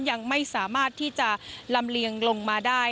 ยังไม่สามารถที่จะลำเลียงลงมาได้